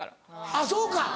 あっそうか。